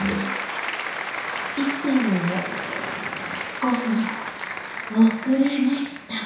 ５分遅れました！